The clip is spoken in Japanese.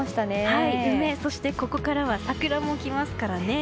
はい、梅、そしてここからは桜も来ますからね。